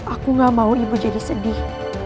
aku gak mau ibu jadi sedih